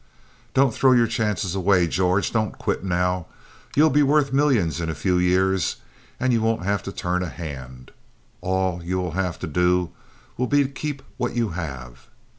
"Don't throw your chances away, George. Don't quit now. You'll be worth millions in a few years, and you won't have to turn a hand. All you will have to do will be to keep what you have.